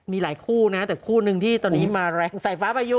มีหลายคู่นะท่านแต่คู่หนึ่งที่ตอนนี้มาแรงสายฟ้าประยุ